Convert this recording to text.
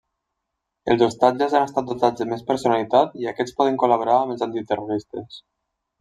Els ostatges han estat dotats de més personalitat i aquests poden col·laborar amb els antiterroristes.